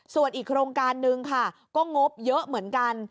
ส่วนอีกโครงการนึงค่ะก็งบเยอะเหมือนกัน